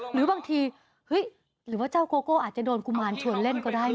หรือบางทีหรือว่าเจ้าโกโก้อาจจะโดนกุมารชวนเล่นก็ได้